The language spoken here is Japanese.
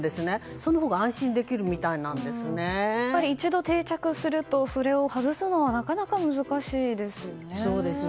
そのほうがやっぱり一度定着するとそれを外すのはなかなか難しいですね。